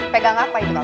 pegang apa itu kamu